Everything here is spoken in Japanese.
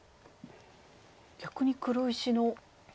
逆に黒石の。